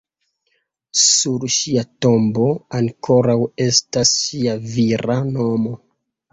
Sur ŝia tombo ankoraŭ estas ŝia vira nomo.